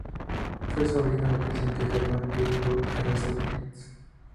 Fue sobrino del presidente Germán Riesco Errázuriz.